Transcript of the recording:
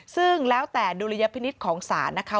ซึ่งแล้วแต่ดุลยพินิษฐ์ของศาลนะคะ